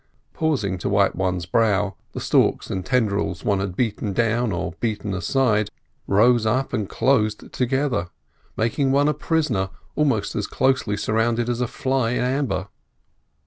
Pausing to wipe one's brow, the stalks and tendrils one had beaten down, or beaten aside, rose up and closed together, making one a prisoner almost as closely surrounded as a fly in amber.